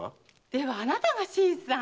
ではあなたが新さん！